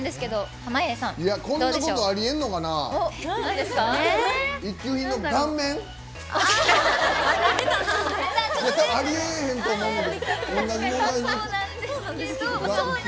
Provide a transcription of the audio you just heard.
こんなことありえんのかな。